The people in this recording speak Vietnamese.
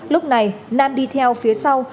lúc này nam đi theo phía sau